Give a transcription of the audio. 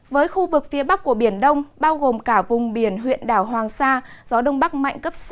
với khu vực phía bắc của biển đông bao gồm cả vùng biển huyện đảo hoàng sa gió đông bắc mạnh cấp sáu